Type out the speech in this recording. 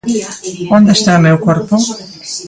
Onde está o meu corpo?